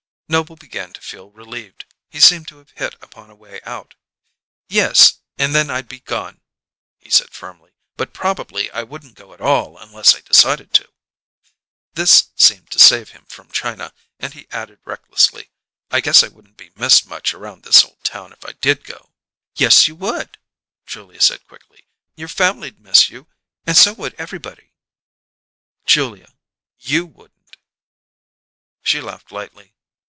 Noble began to feel relieved; he seemed to have hit upon a way out. "Yes; and then I'd be gone," he said firmly. "But probably I wouldn't go at all unless I decided to." This seemed to save him from China, and he added recklessly: "I guess I wouldn't be missed much around this old town if I did go." "Yes, you would," Julia said quickly. "Your family'd miss you and so would everybody." "Julia, you wouldn't " She laughed lightly.